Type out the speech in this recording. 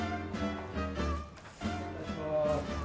失礼します。